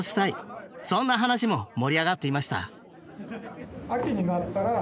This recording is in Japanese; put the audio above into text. そんな話も盛り上がっていました。